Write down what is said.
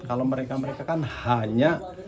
kalau mereka mereka kan hanya